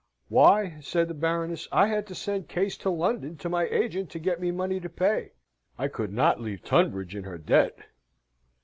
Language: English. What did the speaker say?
"Why," said the Baroness, "I had to send Case to London to my agent to get me money to pay I could not leave Tunbridge in her debt."